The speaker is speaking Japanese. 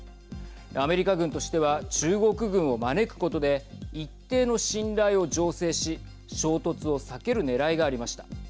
アメリカ軍としては中国軍を招くことで一定の信頼を醸成し衝突を避けるねらいがありました。